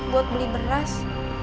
buat beli beras